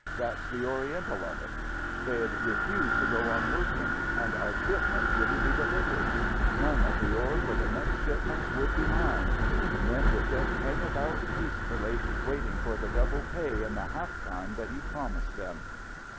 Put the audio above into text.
That's the Oriental of it. They'd refuse to go on working. And our shipments wouldn't be delivered. None of the ore for the next shipments would be mined. The men would just hang about, peacefully waiting for the double pay and the half time that you've promised them."